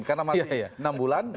karena masih enam bulan